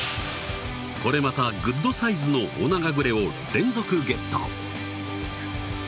これまたグッドサイズのオナガグレを連続ゲット！